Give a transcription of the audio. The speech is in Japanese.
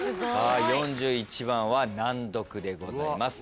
４１番は難読でございます。